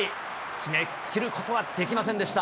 決めきることはできませんでした。